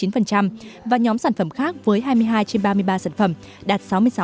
và nhóm sản phẩm khác với hai mươi hai trên ba mươi ba sản phẩm đạt sáu mươi sáu